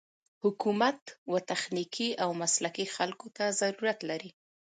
حکومت و تخنيکي او مسلکي خلکو ته ضرورت لري.